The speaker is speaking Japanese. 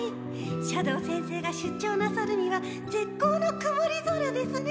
斜堂先生が出張なさるにはぜっこうのくもり空ですね。